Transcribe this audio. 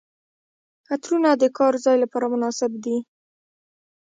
عطرونه د کار ځای لپاره مناسب دي.